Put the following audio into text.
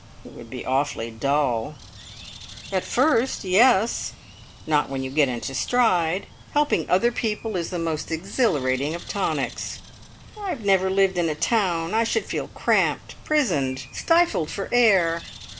"It would be awfully dull!" "At first yes! Not when you get into stride. Helping other people is the most exhilarating of tonics." "I have never lived in a town. I should feel cramped, prisoned, stifled for air."